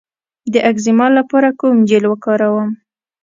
د اکزیما لپاره کوم جیل وکاروم؟